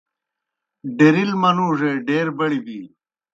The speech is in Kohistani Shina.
ڈیرِل منُوڙے ڈیر بڑیْ بِینیْ۔